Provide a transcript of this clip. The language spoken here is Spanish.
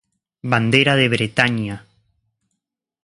Bandera de Bretaña